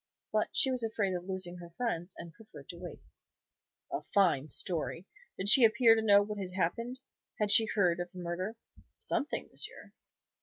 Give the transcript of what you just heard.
But she was afraid of losing her friends, and preferred to wait." "A fine story! Did she appear to know what had happened? Had she heard of the murder?" "Something, monsieur."